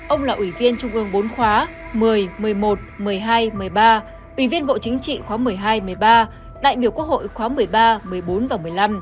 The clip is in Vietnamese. ông là ủy viên trung ương bốn khóa một mươi một mươi một một mươi hai một mươi ba ủy viên bộ chính trị khóa một mươi hai một mươi ba đại biểu quốc hội khóa một mươi ba một mươi bốn và một mươi năm